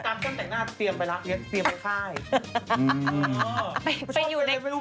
ตามสั้นแต่งหน้าเตรียมไว้ข้าย